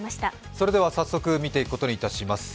それでは早速見ていくことにいたします。